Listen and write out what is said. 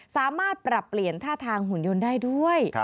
สามารถปรับเปลี่ยนท่าทางหุ่นยนต์ได้ด้วย